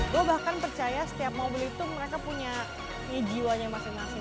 gue bahkan percaya setiap mobil itu mereka punya jiwanya masing masing